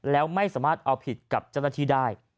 แล้วไม่สามารถเอาผิดกับเจ้าหน้าที่ได้